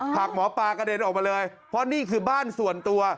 ผักหมอปลากระเด็นออกมาเลยเพราะนี่คือบ้านส่วนตัว